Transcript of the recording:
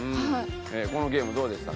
このゲームどうでしたか？